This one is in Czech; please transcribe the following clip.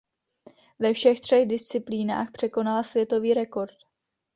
Ve všech třech disciplínách překonala světový rekord.